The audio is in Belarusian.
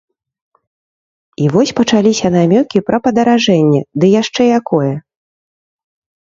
І вось пачаліся намёкі пра падаражэнне, ды яшчэ якое.